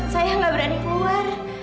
saya enggak berani keluar